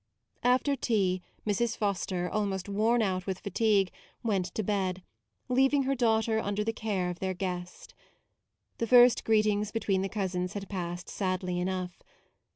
After tea Mrs. Foster, almost MAUDE 107 worn out with fatigue, went to bed; leaving her daughter under the care of their guest. The first greetings between the cousins had passed sadly enough.